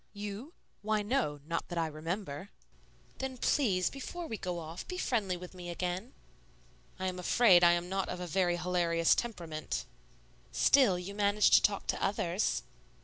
"You? Why, no, not that I remember." "Then, please, before we go off, be friendly with me again." "I am afraid I am not of a very hilarious temperament." "Still, you manage to talk to others."